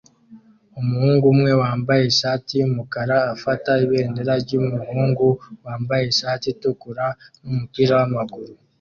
Umuhungu umwe wambaye ishati yumukara afata ibendera ryumuhungu wambaye ishati itukura numupira wamaguru